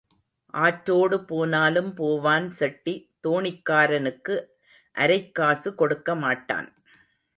ஆற்றோடு போனாலும் போவான் செட்டி தோணிக்காரனுக்கு அரைக்காசு கொடுக்கமாட்டான்.